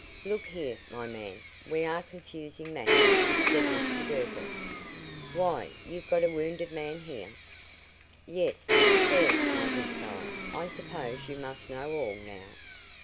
"Look here, my man, we are confusing matters," said Mr Girtle. "Why, you've got a wounded man here?" "Yes. There, my good fellow, I suppose you must know all, now."